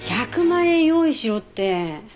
１００万円用意しろって。